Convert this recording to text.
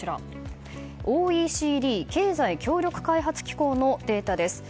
ＯＥＣＤ・経済協力開発機構のデータです。